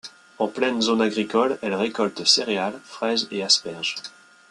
En pleine zone agricole, elle récolte céréales, fraises et asperges.